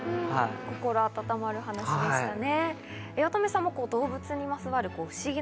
心温まる話でしたね。